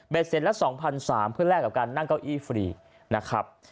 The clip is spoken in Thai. เบ็ดเสร็จละสองพันสามเพื่อแลกกับการนั่งเก้าอี้ฟรีนะครับ